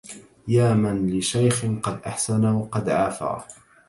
يا من لشيخ قد أسن وقد عفا